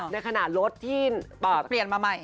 ในขณะรถที่เปลี่ยนมาใหม่